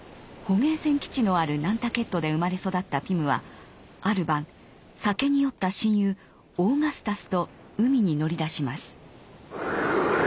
捕鯨船基地のあるナンタケットで生まれ育ったピムはある晩酒に酔った親友・オーガスタスと海に乗り出します。